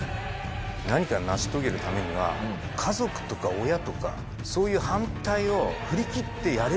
何か成し遂げるためには家族とか親とかそういう反対を振りきってやれるかどうかだと思うんです。